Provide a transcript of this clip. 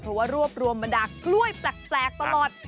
เพราะว่ารวบรวมบรรดากล้วยแปลกตลอด